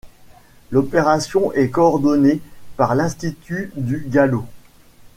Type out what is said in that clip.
L'opération est coordonnée par l'Institut du Galo.